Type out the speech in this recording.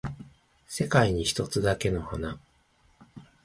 世界に一つだけの花